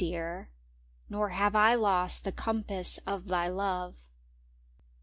Dear, Nor have I lost the compass of thy love.